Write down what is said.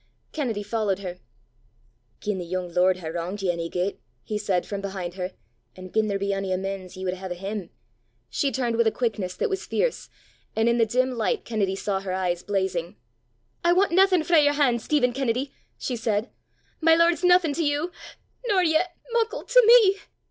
Kennedy followed her. "Gien the yoong lord hae wranged ye ony gait," he said from behind her, "an' gien there be ony amen's ye wad hae o' him, " She turned with a quickness that was fierce, and in the dim light Kennedy saw her eyes blazing. "I want naething frae your han', Stephen Kennedy," she said. "My lord's naething to you nor yet muckle to me!"